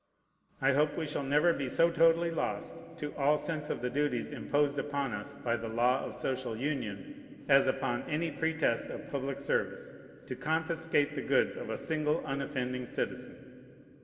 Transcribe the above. I hope we shall never be so totally lost to all sense of the duties imposed upon us by the law of social union, as, upon any pretest of public service, to confiscate the goods of a single unoffending citizen.